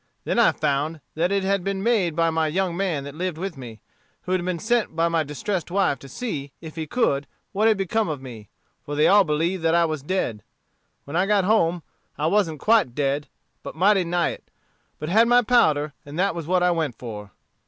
Then I found that it had been made by my young man that lived with me, who had been sent by my distressed wife to see, if he could, what had become of me, for they all believed that I was dead. When I got home, I wasn't quite dead, but mighty nigh it; but had my powder, and that was what I went for."